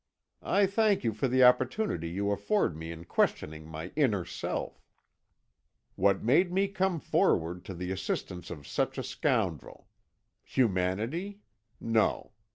I thank you for the opportunity you afford me in questioning my inner self. What made me come forward to the assistance of such a scoundrel? Humanity? No.